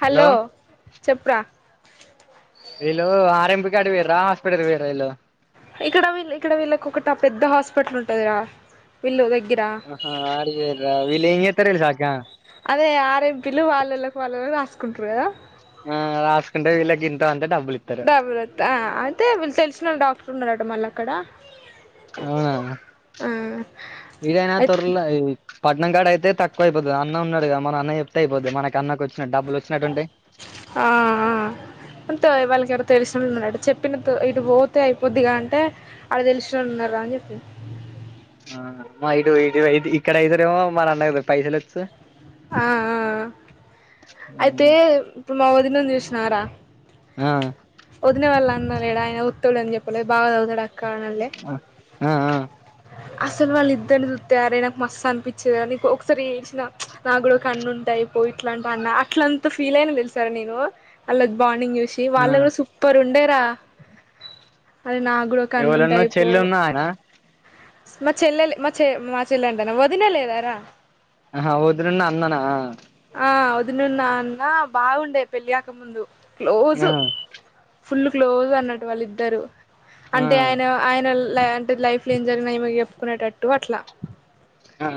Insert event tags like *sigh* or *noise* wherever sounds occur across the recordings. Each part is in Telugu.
హలో చెప్పురా. విళ్లు ఆరెంపి కాటికి పోయిర్రా హాస్పిటల్ పోయిర్రా ఇళ్లు. ఇక్కడ వీళ్ళ ఇక్కడ వీళ్ళకి ఒకట పెద్ద హాస్పిటల్ ఉంటది రా వీళ్ళు దగ్గిరా అహ అడికి బోయిర్రా వీళ్ళు ఎం చేస్తారో తెలుసా అక్క అదే ఆర్ ఎంపీలు వాళ్ళ వోళ్ళకి వాళ్ళ వాళ్ళకు రాసుకుంటారు కదా ఆమ్ రాసుకుంటే వీళ్ళకిింతా అంత డబ్బులు ఇ డబ్బులు వస్తాయి ఆ అయితే వీళ్ళు తెలిసిన డాక్టర్ ఉన్నాడంట మళ్ళీ అక్కడ ఆ ఆ ఇదైనా తొరలా ఈ పట్నం కాడ అయితే తక్కువ అయిపోతది అన్న ఉన్నాడు కద మన అన్న చెప్తే అయిపోతే మన అన్నకు వచ్చినడు డబ్బులు వచ్చినట్టు ఉంటాయి ఆ ఆ అంతే వాళ్ళకి ఎవరో తెలిసినున్నట చెప్పిన ఇటు పోతే అయిపోద్దిగా అంటే అడ తెలిసినోళ్ళు ఉన్నారా అని చెప్పింది ఆ మా ఇటు ఇటు ఇది ఇక్కడ ఇదురేమో మాన అన్న కు పైసలవోచ్చు ఆ ఆ ఆ అయితే ఇప్పుడు మా వదినని చూసినారా ఆ వదిన వాళ్ళు అన్నా లేడా ఆయన వత్తడు అని చెప్పలే బాగా చ వత్తడు అక్క అన్నడు లే ఆ ఆ అసలు వాళ్ళిద్దరిని చుస్తే అరే నాకు మస్త్ అనిపించేది నీకు ఒకసారి ఏడ్చిన నా కూడా ఒక అన్న ఉంటే అయ్పో ఇట్లాంట అన్న అట్లంత ఫీల్ అయినా తెలుసా రా నేను అ బాండింగ్ చూసి ది ఆ వాళ్ళ కూడా సూపర్ ఉండే రా అదే నా కూడా ఒక అన్న ఉంటే ఎవలన్నా అయిపో చెల్లున్న ఆయన మా చెల్లె మా చె మా చెల్లెంటనా వదిన లేదారా ఆహా వదినా ను అన్ననా ఆ వదినున్నా అన్న బాగుండే పెళ్లి కాక ముందు క్లోజు ఆ ఫుల్ క్లోజ్ అన్నట్టు వాళ్ళ ఇద్దరు అంటే ఆయన ఆయన ల అంటే లైఫ్ ఎమ్ జరిగినా ఈమెకు చెప్పుకునేటట్టు అట్లా ఆ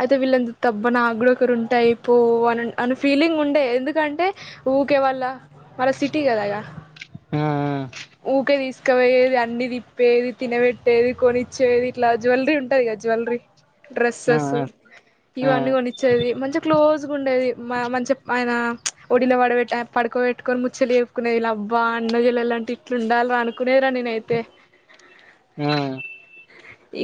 అయితే వాళ్ళుందు తబ్బన నాకుడా ఒకరు ఉంటై అయిపో అని అని ఫీలింగ్ ఉండే ఎందుకంటే ఊకే వాళ్ళ మళ్ళ సిటీ కదాగా ఆఆ ఊకే తీసుకపోయేది అన్ని తిప్పేది తినబెట్టేది కొనిచ్చేది ఇట్లా జ్యవెలరీ ఉంటంది కగా జ్యవెలరీ ఆ ఆ డ్రెస్సెస్ ఉ ఆ ఇవన్నీ ఆ కొన్నిచ్చేది మంచిగా క్లోజ్గా ఉండేది మంచి ఆయన వడిలో పడ పడుకోట్టుకొని ముచ్చట్లు చేప్పక్కునేదిలబ్బ అన్న చెలిల్లులాంటి ఇట్లు ఉండాలి అనుకునేరా నేను తే ఆ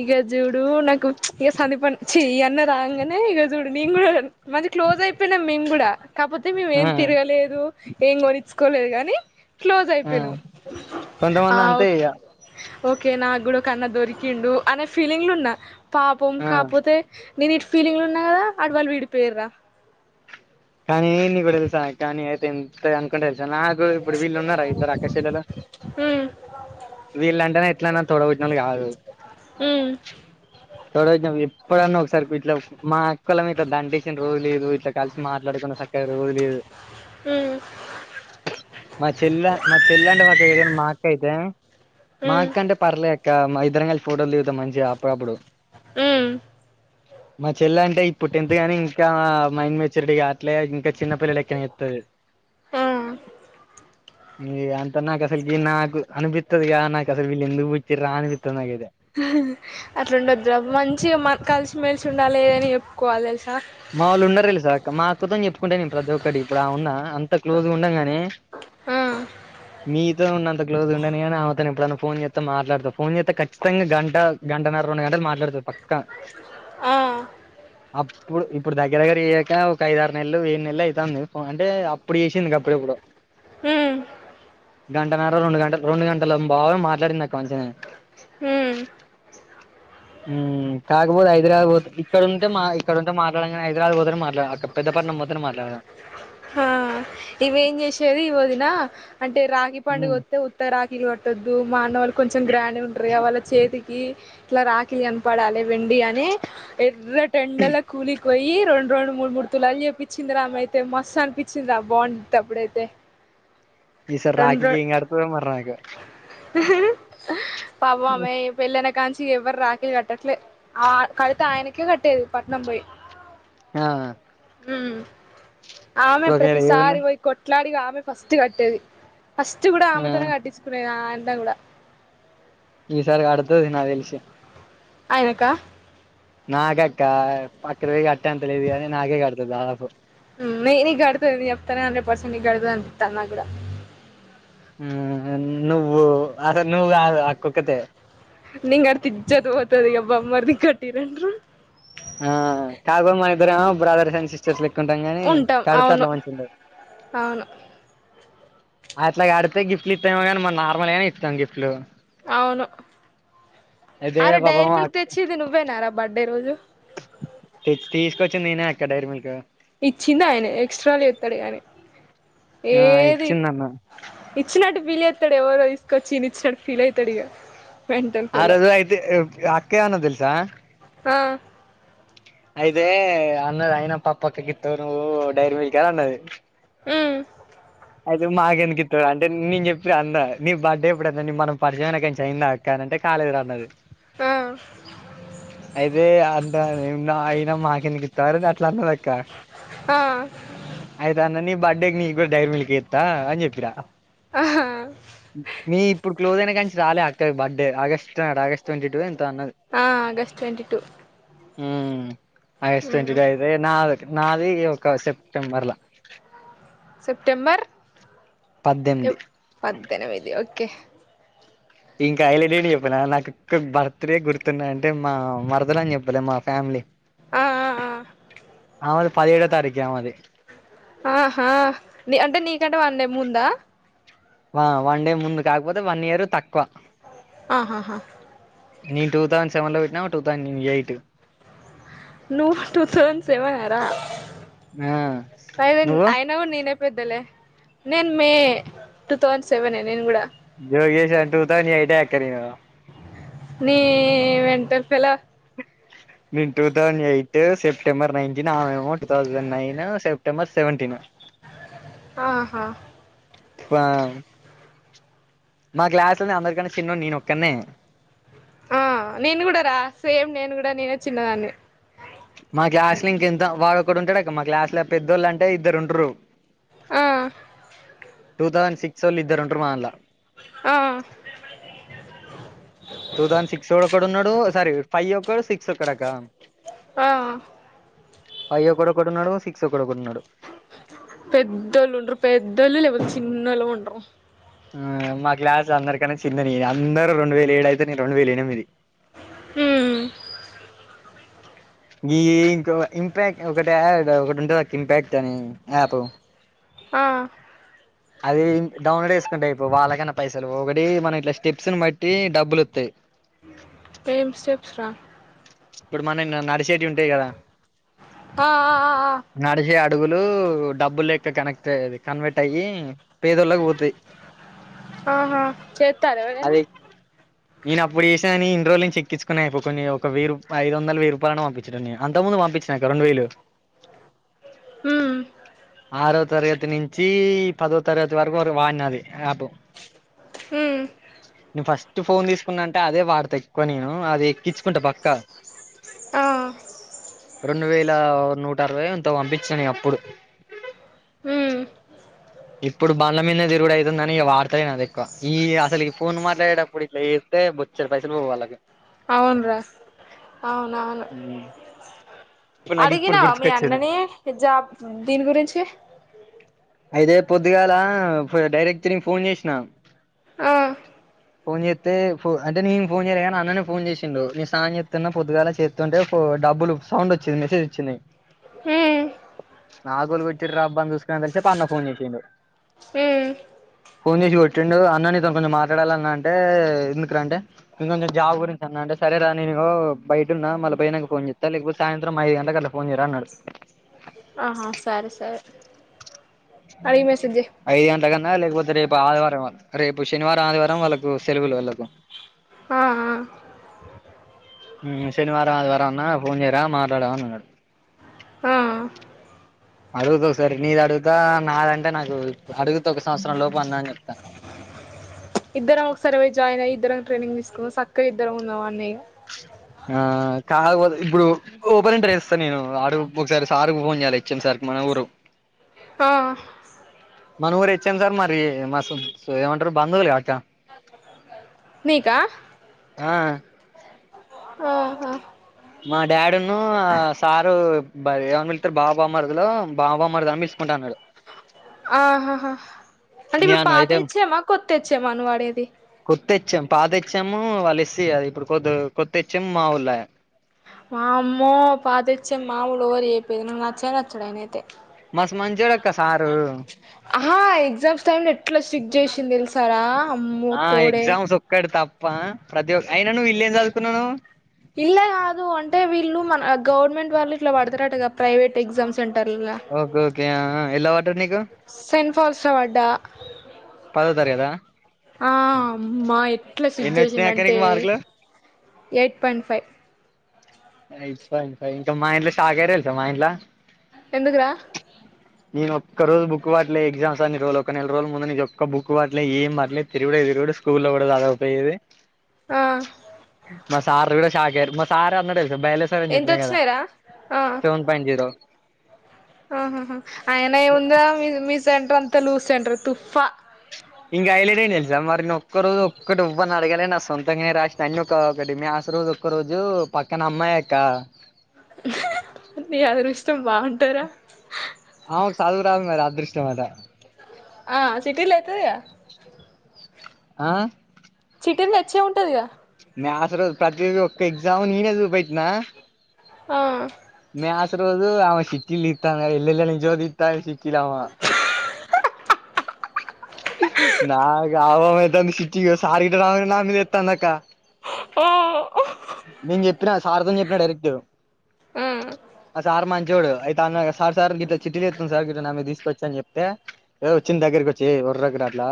ఇక జూడు నాకు ఇ సందీప్ అన్న చి ఇ అన్న రాగానే ఈగ చూడు మేము కూడా మంచి క్లోజ్ అయిపోయినాం మేము కూడా కాకపోతే మేము ఏం ఆ తిరగలేదు ఏం కొనించుకోలేదు కానీ క్లోజ్ ఆ అయిపోయినం ఆ కొంతమంది అంతే ఓకే ఇగ ఓకే నాకు గుడా ఒక అన్నా దొరికిండు అనే ఫీలింగ్లు ఉన్నా పాపం ఆ కాప తే నేను ఇటు ఫీలింగ్లు ఉన్నా కదా అటు వాళ్ళు విడిపోయరా కానీ నీకు ఒకటి తెలుసా కానీ నేను అయితే ఎంత అనుకుంటే తెలుసా నాకు ఇప్పుడు వీళ్ళు ఉన్నారా ఇద్దరు అక్క చెల్లెల్లు ఉమ్ వీళ్ళు అంటేనే ఎట్లన్నా తోడబుట్టినోలు కాదు ఉమ్ తోడ బుట్టి నప్పుడు ఎప్పుడన్నా ఒకసారి ఇట్లా మా అక్క వోళ్ళని ఇట్లా దండేసిన రోజు లేదు ఇట్లా కలిసి మాట్లాడుకున్న స ఒక రోజ లేదు ఉమ్ మా చెల్ మా చెల్ండ పక్క గ మా అక్క అయితే ఉమ్ మాక్కంటే పర్లేక్క మా ఇద్దరం కలిసి ఫోటోలు దిగుతం మంచి గా అప్పుడప్పుడు హ్మ్ మా చెల్ల అంటే ఇప్పుడు టెన్త్ గానీ ఇంకా మైండ్ మెచ్యూరిటీ కా అట్లే ఇంకా చిన్న పిల్ల లెక్క చేతది ఆ ఈ అంత నాకు అసలు ఈ నాకు అనుపిత్తదిగా నాకు అసలు వీళ్ళు ఎందుకూ పుట్టిరా అనిపిత్తది నాకైతే అట్లా ఉండదు రా మంచిగా మన్ కలిసిమెలిసి ఉండాలి ఏదైనా చెప్పుకోవాలి తెలుసా మా వాళ్ళు ఉన్నారు తెలుసా మా అక్క తోని చెప్పుకుంటా నేను ప్రతి ఒక్కటి ఇప్పుడు ఆమె ఉన్నా అంత క్లోజ్గా ఉండం గానీ ఆ మీ త ఉన్న అంత క్లోజ్ గాని ఆమె ఎప్పుడైనా ఫోన్ చేతా మాట్లాడతా ఫోన్ చేతా ఖచ్చితంగా గంట గంటన్నర రెండు గంటలు మాట్లాడుతా పక్క ఆ అబ్ ఇప్పుడు ఇప్పుడు దగ్గర దగ్గర చేయ్యాక ఒక ఐదు ఆరు నెల్లు ఏడు నెల్లు అయితాంది అంటే అప్పుడు చేసింది గప్పుడు ఎప్పుడో హ్మ్ గంటన్నరో రెండు గంటలు రెండు గంటలు బా మాట్లాడిన కొంచమె హ్మ్ హ్మ్ కాకపోతే హైదరాబాద్ పొత్ ఇక్కడ ఉంటే మా ఇక్కడుంటే మాట్లాడగానీ హైదరాబాద్ పోతే మాట్లా ఇక పెద్ద పట్నం పోతేనె మాట్లాడదం ఆ ఇవేం చేసేది వదిన అంటే రాఖి పండుగ వత్తే త రాఖిలు కట్టొద్దు మా అన్నవాళ్ళు కొంచెం గ్రాండ్ గుంటారు ఆ వాళ్ళ చేతి ఇ ఇట్లా రాఖిల్ కనపడాలె వెండి అని ఎర్రటెండల కూలి పోయి రెండు రెండు మూడు మూడు తులాలు చెప్పించిందిరామ ఆమె అయితే మస్తు అనిపించిందిరా బాంటప్పుడు అయితే ఈ సారి రాఖీ కి ఏం కడతదో మరి నాకు పాపమే వెళ్ళన కాంచి ఎవరు రాఖీలు కట్టట్లే ఆ ఆడితే ఆయనకే కట్టేది పట్నం పోయి ఆ హ్మ్ ఆమె ఇప్పుడు ఒకవేళ ఏమన్నా ప్రతిసారి పోయి కొట్లాడి ఆమె ఫస్ట్ కట్టేది ఫస్ట్ కూడా ఆ ఆమెతోనే కట్టించకునేది ఆ అన్నా కూడా ఈసారి కడతది నా తెలిసి ఆయనక నాక అక్క పక్కడిది కట్టే అంత లేదు గాని నాకే కడతది దాదాపు హ్మ్ మేరి కడతది నీన్ చెప్తా హండ్రెడ్ పర్సెంట్ నీకు కడతది అనిపితాంది నాకూడా హ్మ్ నువ్వు అసల్ నువ్వు కాదు అక్క ఒక్కటే నేన్ కడితే ఇజ్జత్ పోతాది ఇగ బామ్మర్ది కట్టిరు అంట్రూ ఆ కా *unintelligible* మన ఇద్దరేమో బ్రదర్స్ అండ్ సిస్టర్స్ లెక్కుంటాం గానీ ఉంటాం కడ్తే అవును అట్లా మంచిగ ఉండదు అవును అట్లా కడితే గిఫ్ట్లు ఇత్త ఏమో కానీ మనం నార్మల్గానే ఇస్తాం గిఫ్ట్లు అవును అయితే అరే డైరీ పాపం మిల్క్ అక్ తెచ్చిది నువ్వేనారా బర్త్డే రోజు తీ తిసుకొచ్చింది నేనే అక్క డైరీమిల్క్ ఇచ్చింది ఆయనె ఎక్స్ట్రాాలు చేతాడు ఇగ ఆయన గానీ ఆ ఏది ఇచ్చిందన్న ఇచ్చినట్టు ఫిల్ చేతాడు ఎవరో తీసుకొచ్చి ఇయన ఇచ్చినట్టు ఫీల్ అయితాడు ఇగ మెంటల్ ఫెలో ఆరోజైతే అ అక్క ఏం అన్నది తెల్సా ఆ అయితే అన్నది అయిన పప్పక్క కిత్తావు నువ్వు డైరీ మిల్క్ అని అన్నది హ్మ్ ఐతే మాకెందుకు ఇతడు అంటే నేను చెప్పి అన్న నీ బడ్డె ఎప్పుడన ని మనం పరిచయం ఐన కానిచ్చి అయింద కానంటే కాలేదుర అన్నది ఆ అయితే అంత అయినా మాకెందు కిస్తవారు గాట్లా అన్నది అక్ క ఆ అయితే అన్న నీ బర్త్డేకి నీ కూడా డైర్ మిల్కీ ఈత అని చెప్పినా ఆహా మీ ఇప్పుడు క్లోస్ అయినా కంచి రాలే అక్క birthday August August twenty two ఎంతో అన్నది ఆ ఆగస్ట్ ట్వంటి టు ఊ అగస్ట్ ట్వంటీ లా అయితే నాది నాది ఒక సెప్టెంబర్లా సెప్టెంబర్ పద్దెనిమిది పద్దనమిది ఓకే ఇంకా ఐలెట్ ఏంటి చెప్పన నాకు ఒక బర్త్ డే గుర్తున్నా అంటే మా మరదలు అని చెప్పలే మా ఫ్యామిలీ ఆ ఆ ఆమెది పదిహెడో తారిఖే ఆమెది ఆహా ని అంటే నీకంటే వన్ డే ముందా ఆ వన్ డే ముందు కాకపోతే వన్ ఇయరు తక్కువ ఆహాహా నేన్ టూ థౌసండ్ సెవెన్ లో పుట్ట వాడు టూ థౌసండ్ ఎయిటు నువ్వు టూ థౌసండ్స్ సేవనార ఆ అయితే నువ్వు అయిన కూడా నేనే పెద్దలే నేన్ మే టూ థౌసండ్ సెవెన్ ఏ నేను కూడా జోగేషను టూ థౌండ్ ఎయిట్ ఏ యక్కనెను నీ మెంటల్ ఫెల్లో నేను two thousand eight September nine దిన ఆమేమో two thousand nine September seventeen ఆహా పామ్ మా క్లాస్ లా అందరికన్నా చిన్నోని నేను ఒక్కన్నె ఆ నేను కూడా రా సేమ్ నేను కూడా నేనే చిన్నదాన్ని మా క్లాస్ లో ఇంకెంత వాడొక్కడు ఉంటాడు అక్క మా క్లాస్ లో పెద్దోళ్ళు అంటే ఇద్దరు ఉంటారు ఆ టూ థౌసడ్ సిక్స్ ఒళ్ళు ఇద్దరు ఉంటారు మాధన్ల ఆ టూ థౌసండ్ సిక్స్ ఒకడు ఉన్నాడు సారీ ఫైవ్ ఒకడు సిక్స్ ఒకడక్క ఆ ఫైవ్ ఒకడొక ఉన్నాడు సిక్స్ ఒకడొక ఉన్నాడు పెద్దళ్ళు ఉండరు పెద్దళ్ లేపోతే చిన్నోలు ఉండరు ఆ మా క్లాస్ అందరికనే చిన్న నేనే అందరు రెండు వేల ఏడు అయితే నేను రెండు వేల ఎనిమిది ఊ ఈ ఇంకో ఇంపాక్ట్ ఒకటి ఒకటి ఉంటంది ఇంపాక్ట్ అని యాప్ ఆ ఆ అది డౌన్లోడ్ ఏసుకుంట ఐపో వాళ్ళకైనా పైసలు పోడి మనం ఇట్లా స్టెప్స్ ను బట్టి డబ్బులు వస్తాయి ఏమ్ స్టెప్స్ రా ఇప్పుడు మనం నడిచేటి ఉంటాయి కదా ఆ ఆ ఆ నడిచే అడుగులు డబ్బులు లెక్క కనెక్ట్ అది కన్వర్ట్ అయ్యి పేదోళ్ళకి పోతాయి ఆహా చెత్ అది నేనప్పుడు చేస్న గనీ ఇన్ని రోజుల్నుంచి ఎక్కిుచ్చుకున్నా అయిపోవు కొన్ని ఒక వెయ్యి రూ ఐదొందలు వెయి రూపాలన్న పంపిచ్ చెటోన్నీ అంతకు ముందు పంపించినక్క రెండు వేలు హ్మ్ ఆరో తరగతి నుంచీ పదో తరగతి వరకు వాడినది యాపు హ్మ్ నేను ఫస్ట్ ఫోన్ తీసుకున్న అంటే అదే వాడతా ఎక్కువ నేను అది ఎక్కిచ్చుకుంట పక్క ఆ, రెండు వేల నూట అరవయో ఎంతో పంపిచ్చిన నేను అప్పుడు అ ఉమ్, *inaudible* ఇప్పుడు బండ్ల మీద్నే దిరుగుడు అయితుందని ఇగ వాడ్తలేనది ఎక్కువ, ఈ అసలు ఈ ఫోన్ మాట్లాడేటప్పుడు ఇట్ల ఏస్ తె బొచ్చడు పైసలు పోవు అల్లకి అవున్ర అవునవును వాళ్ళకి ఇప్పుడు నాకు ఇప్పుడు అడిగనవ మీ గుర్తుకొచ్చింది అన్నని జాబ్ దీని గురించి అయితే పొద్దుగాల ఫ్ డైరెక్టర్ నెన్ ఫోన్ జేసినా ఆ ఫోన్ జెత్తే అంటే ఫ్ నేను ఫోన్ చేయలేగని అన్ననే ఫోన్ జేసిండు నేను సాన్ చెత్తున్న పొద్దుగాల చేత్ తుంటే ఫ్ డబ్బులు సౌండోచ్చింది మెసేజ్ వచ్చింది హ్మ్ నాకోలు గొట్టిర్రా అబ్బ అని చూసుకునంతల్సేపు అన్న ఫోన్ చేసిండు ఉమ్ ఫోన్ జేసి కొట్టిండు అన్న ని తోని కొంచెం మాట్లాడాలన్న అంటే ఎందుకుర అంటే ఇంకొంచెం జాబ్ గురించి అన్నా అంటే సరేరా నేను ఇగో బయటున్న మళ్ల పోయినంక ఫోన్ జేత్త లేకపోతే సాయంత్రం ఐదు గంట్లకట్ల ఫోన్ జెయిరా అన్నడు ఆహా సరే సరే అడిగి మెసేజ్ చేయి ఆ ఐదు గంటల కన్నా లేకపోతే రేపు ఆదివారం రేపు శనివారం ఆదివారం వాళ్ళకు సెలవులు వాళ్ళకు ఆ ఆ, మ్ శనివారం ఆదివారం అన్న ఫోన్ చేయిరా మాట్లాడదం అన్నడు హా అడుగుతొకసారి నీదడుగుతా నాదంటే నాకు అడుగుత ఒక సంవత్సరం లోపు అన్న అని చెప్త ఇద్దరం ఒకసారే పోయి జాయిన్ అయ్యి ఇద్దరం ట్రైనింగ్ తీసుకొని సక్కగ ఇద్దరం ఉందమాన్నే ఇగ ఆ కాక్పోతె ఇప్పుడు ఓపెనింటర్ చెస్త నేను ఆడు ఒకసారి సార్కు ఫోన్ చేయాలి హెచ్ ఎం సార్కి మన ఊరు ఆ మన ఊరు హెచ్ ఎమ్ సార్ మరి మా స్ ఏమంటరు బంధువులు గావచ్చ ఆ మీకా ఆ ఆహా మా డాడున్ను అ సారు బ ఏమని పిళ్తరు బావ బామ్మర్దులో బావ మరిది అని పిల్స్ కుంటన్నడు ఆహాహా అంటే ఇప్పుడు నేను పాత అయితే హెచ్ ఎమ్ ఆ, కొత్త హెచ్ ఎమ్ ఆ నువడేది కొత్త హెచ్ ఎం పాత హెచ్ ఎమ్ వాల్ ఎస్ సి గద ఇప్పుడు కొద్ కొత్త హెచ్ ఎమ్ మావోల్లాయే వామ్మో పాత హెచ్ ఎమ్ మాముల్ ఓవరు చేయకపోయేది నాకు నచ్చనే నచ్చడానైతే మస్త్ మంచోడక్క సారు ఆహా ఎగ్జామ్స్ టైమ్లా ఎట్లా స్ట్రిక్ట్ చేసింది తెలుసారా అమ్మ తోడే ఇక్కడ తప్ప ప్రతి ఒక్క అయినా నువ్వు ఇల్ ఏందు చదువుతున్నావ్ నువ్ ఇల్లా కాదు అంటే వీళ్ళు మన గవర్నమెంట్ వాళ్ళు ఇట్లా పడుతారటగా ప్రైవేట్ ఎగ్జామ్ సెంటర్లు ఓకే ఓకే అ ఎల్లా వడ్డాద్ నీకు సెంట్ ఫాల్స్లా వడ్డా పదో తరగతా ఆ అమ్మా ఎట్లా స్ట్రిక్ట్ ఎన్ని వచ్చినాయి అక్క చేసిండాంటే నీకు మార్కులు eight point five eight point five ఇంకా మా ఇంట్ల షాక్ అయ్యారు తెలుసా మా ఇంట్ల ఎందుకు రా ఆ నేను ఒక్కోజు బుక్కు వట్లే ఎగ్జామ్ అన్ని రజు ఒక నెల రోజుల ముందు నించి ఒక్క బుక్కు వట్లే ఏం బాట్లేదు తిరుగుడే తిరుగుడు స్కూల్ల కూడ సదువపోయేది ఆ మా సార్లు కూడా షాక్ అయ్యారు మా సార్ అన్నడు తెలుసా బైలోజీ సారు అని ఎంత చెప్పినా కదా వచ్చినాయిరా సెవన్ పాయింట్ జీరో ఆహహ ఆయన ఏముందిరా మీ మీ సెంటర్ అంతా లూజ్ సెంటర్ తుఫ్హా ఇంకా హైలైట్ ఏంది తెలుసా మరి నెన్ ఒక్క రోజు ఒక్కటి ఓవ్వని అడగాలే నా సొంతగానే రాసిన అన్ని ఒక ఒకటి మీ మ్యాథ్స్ రోజ్ ఒక్క రోజు పక్కన అమ్మాయక్క నీ అదృష్టం బాగుంటదిరా ఆమెకు చదువు రాదు మేడ అదృష్టం అట ఆ చిట్టిల్ తెత్తదిగా ఆ చిట్టిల్ తేచ్చే ఉంటదిగా మ్యాథ్స్ రోజ్ ప్రతిరోజ ఒక్క ఎగ్జామ్ నేనే చూప్టెట్న ఆ మ్యాథ్స్ రోజు ఆమె చిట్టిల్ తితన్నది ఎల్లెళ్ల నుంచో తితంది చిట్టిల్ అవ్వ నాక్ ఆగమాగం అయితంది ఇగ సార్ గిట్ల రంగనే నా మీద ఎత్తంది అక్క ఓ నేను చెప్పిన సార్ తోని చెప్పినా డైరెక్ట్ ఉహ్ ఆ సార్ మంచోడు అయితే అన్న సార్ సార్ గిట్ల చిట్టీలేతుంది సార్ గగిట్ల నామీద తీసుకొచ్చి అని చెప్తే ఏ వచ్చిండ్ దగ్గరకోచ్చి ఏ ఒర్రకురా అట్లా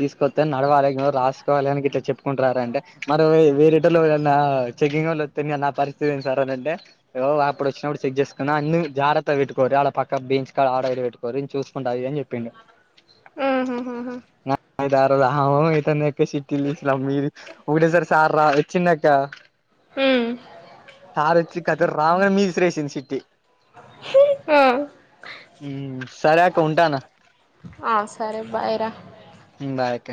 తీసుకొత్తే నడవాలి గని రాసుకోవాలి గని ఇట్లా చెప్పుకుంటారంటే మరి వేరిటోళ్ళ నా చెకింగ్ ఒళ్ళు ఓత్తే ఇగ నా పరిస్థితి ఏంది సార్ అనంటే ఈగో అప్పుడు వచ్చినప్పుడు చెక్ చేసుకున్నా అన్ని జాగ్రత్తగా పెట్టుకోర్రి ఆడ పక్క బెంచి కాడ ఆడ ఈడ పెట్టు కోర్రి చూసుకుంటా ఆది ఇది అని చెప్పిండు ఆహాహాహా హా మీతో నాక్ ఇందాక చిట్టిల్ తీసిన మీరు ఒకటే సార్ రా వచ్చిండాక్ కా హ్మ్ సారోచ్చి ఖాతం రావ మీద ఇసిరేసింది షిట్టి హా ఉ సరే అక్క ఉంటానా ఆ సరే బాయ్ రా హు బాయ్ అక్క